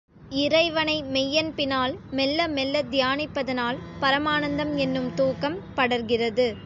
இறைவனை மெய்யன்பினால் மெல்ல மெல்லத் தியானிப்பதனால் பரமானந்தம் என்னும் தூக்கம் படர்கிறது.